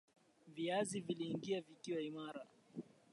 Viazi viliingia vikiwa imara.